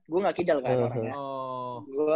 gue gak kedal kan orangnya